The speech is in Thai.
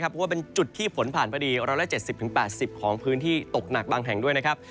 เพราะว่าเป็นจุดที่ฝนผ่านพอดี๑๗๐๘๐ของพื้นที่ตกหนักบางแห่งด้วยนะครับ